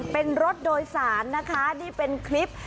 เป็นรถโดยสารนะคะนี่เป็นคลิป